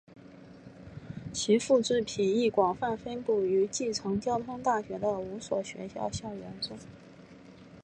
其复制品亦广泛分布于继承交通大学的五所学校校园中。